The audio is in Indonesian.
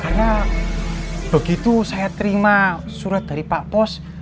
karena begitu saya terima surat dari pak pos